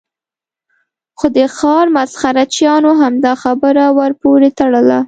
خو د ښار مسخره چیانو همدا خبره ور پورې تړله.